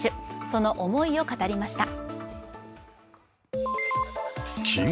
その思いを語りました。